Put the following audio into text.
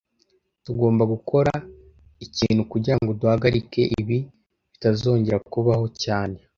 Tugomba gukora ikintu kugirango duhagarike ibi bitazongera kubaho cyane